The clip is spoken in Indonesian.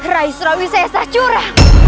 raih surawi saya secura